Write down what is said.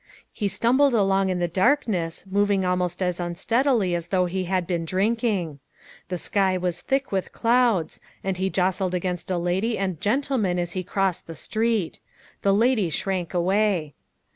He stumbled along in the darkness, moving almost as un steadily as though he had been drinking. The sky was thick with clouds, and he jostled against a lady and gentleman as he crossed the street ; the lady shrank away.